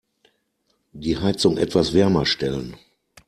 Die Heizung etwas wärmer stellen.